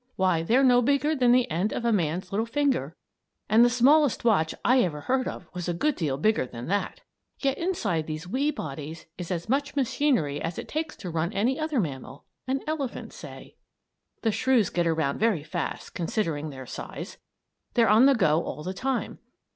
Why, they're no bigger than the end of a man's little finger; and the smallest watch I ever heard of was a good deal bigger than that. Yet, inside these wee bodies is as much machinery as it takes to run any other mammal an elephant, say. [Illustration: THE COMMON AND THE SHORT TAILED SHREW] The shrews get around very fast, considering their size; and they're on the go all the time.